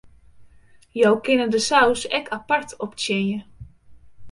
Jo kinne de saus ek apart optsjinje.